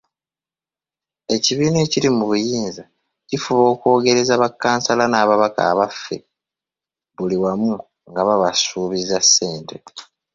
Ekibiina ekiri mu buyinza kifuba okwogereza bakkansala n'ababaka baffe buli wamu nga babasuubiza ssente.